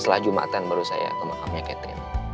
setelah jumatan baru saya ke makamnya catherine